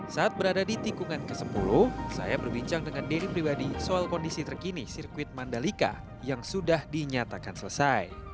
saat berada di tikungan ke sepuluh saya berbincang dengan denny pribadi soal kondisi terkini sirkuit mandalika yang sudah dinyatakan selesai